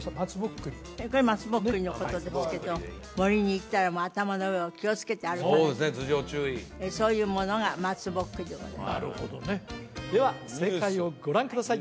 これまつぼっくりのことですけど森に行ったら頭の上を気をつけて歩かなきゃそういうものがまつぼっくりでございますでは正解をご覧ください